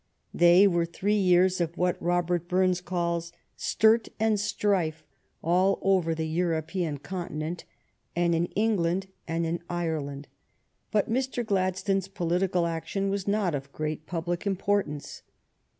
They were three years of what Robert Burns calls " sturt and strife " all over the European continent, and in England and in Ireland, but Mr. Gladstone's political action was not of great public importance.